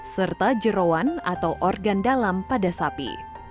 serta jerawan atau organ dalam pada sapi